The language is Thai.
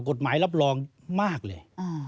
กฎหมายรับรองมากเลย